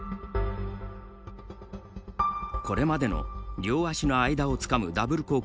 これまでの両足の間をつかむダブル